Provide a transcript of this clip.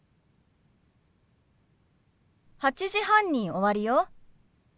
８時半に終わるよ。